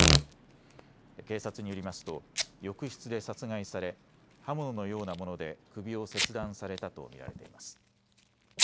警察によりますと浴室で殺害され刃物のようなもので首を切断されたと見られています。